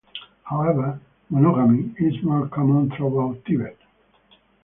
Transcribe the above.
However, monogamy is more common throughout Tibet.